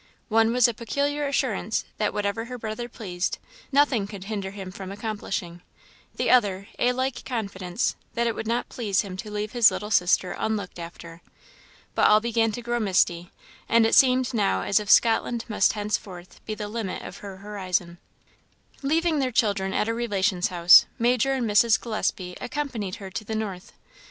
One was a peculiar assurance that whatever her brother pleased, nothing could hinder him from accomplishing; the other, a like confidence that it would not please him to leave his little sister unlooked after. But all began to grow misty, and it seemed now as if Scotland must henceforth be the limit of her horizon. Leaving their children at a relation's house, Major and Mrs. Gillespie accompanied her to the north.